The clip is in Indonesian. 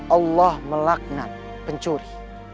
allah melaknan pencuri